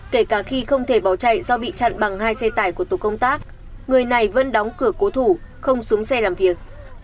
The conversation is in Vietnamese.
kể cả khi không thể bỏ chạy do bị chặn bằng hai xe tải của tổ công tác người này vẫn đóng cửa cố thủ không xuống xe làm việc